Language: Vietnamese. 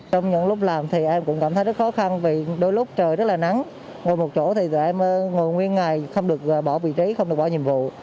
trong những lúc làm thì em cũng cảm thấy rất khó khăn vì đôi lúc trời rất là nắng ngồi một chỗ thì tụi em ngồi nguyên ngài không được bỏ vị trí không được bỏ nhiệm vụ